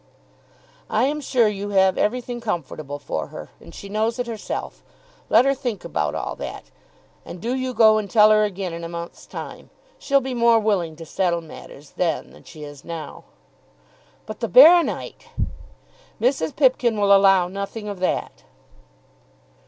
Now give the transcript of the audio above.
"I am sure you have everything comfortable for her, and she knows it herself. Let her think about all that, and do you go and tell her again in a month's time. She'll be more willing to settle matters then than she is now." "But, the Baro nite!" "Mrs. Pipkin will allow nothing of that."